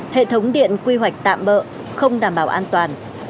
hệ thống điện quy hoạch tạm bỡ không đảm bảo an toàn